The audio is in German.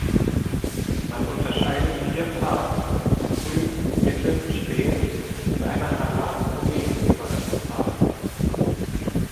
Man unterscheidet vier Phasen: Früh, Mittel, Spät und eine Halaf-Obed-Übergangsphase.